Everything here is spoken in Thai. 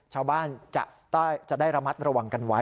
ชาวบ้านจะได้ระมัดระวังกันไว้